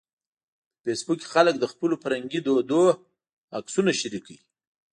په فېسبوک کې خلک د خپلو فرهنګي دودونو عکسونه شریکوي